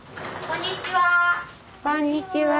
こんにちは。